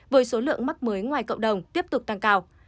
với số lượng mắc mới ngoài cộng đồng tiếp tục tăng cao